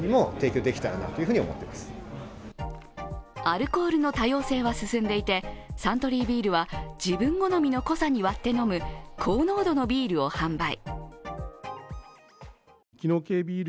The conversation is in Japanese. アルコールの多様性は進んでいてサントリービールは、自分好みの濃さに割って飲む高濃度のビールを販売。